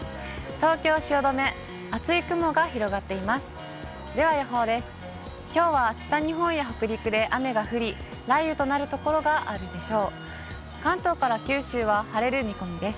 東京・汐留、熱い雲が広がっています。